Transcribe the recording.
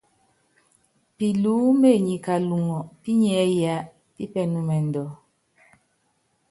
Pilúméné nyi kaluŋɔ pinyiɛ́ yá pípɛnúmɛndú.